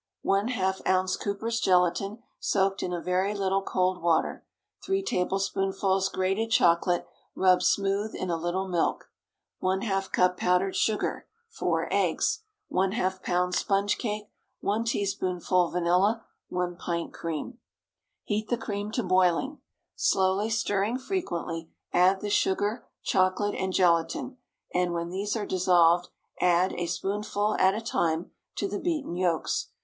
✠ ½ oz. Cooper's gelatine, soaked in a very little cold water. 3 tablespoonfuls grated chocolate rubbed smooth in a little milk. ½ cup powdered sugar. 4 eggs. ½ lb. sponge cake. 1 teaspoonful vanilla. 1 pint cream. Heat the cream to boiling, slowly, stirring frequently; add the sugar, chocolate, and gelatine, and, when these are dissolved, add, a spoonful at a time, to the beaten yolks.